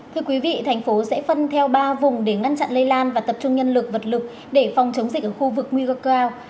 thưa quý vị thành phố sẽ phân theo ba vùng để ngăn chặn lây lan và tập trung nhân lực vật lực để phòng chống dịch ở khu vực nguy cơ cao